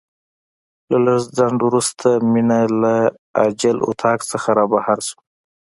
له لږ ځنډ وروسته مينه له عاجل اتاق څخه رابهر شوه.